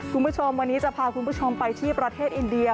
คุณผู้ชมวันนี้จะพาคุณผู้ชมไปที่ประเทศอินเดีย